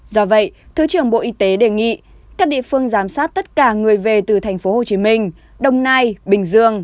do vậy thứ trưởng bộ y tế đề nghị các địa phương giám sát tất cả người về từ tp hcm đồng nai bình dương